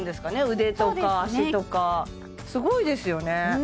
腕とか足とかすごいですよね